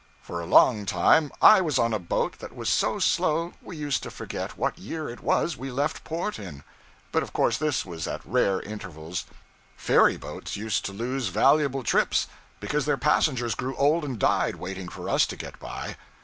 For a long time I was on a boat that was so slow we used to forget what year it was we left port in. But of course this was at rare intervals. Ferryboats used to lose valuable trips because their passengers grew old and died, waiting for us to get by.